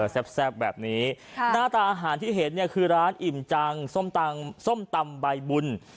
แซ่บแบบนี้หน้าตาอาหารที่เห็นเนี่ยคือร้านอิ่มจังส้มตำส้มตำใบบุญ